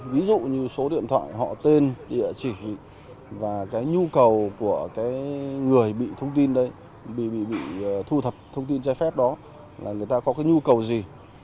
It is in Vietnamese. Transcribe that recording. ví dụ như số điện thoại họ tên địa chỉ và nhu cầu của người bị thu thập thông tin trái phép đó là người ta có nhu cầu gì